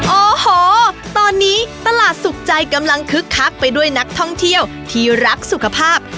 โอ้โหตอนนี้ตลาดสุขใจกำลังคึกคักไปด้วยนักท่องเที่ยวที่รักสุขภาพ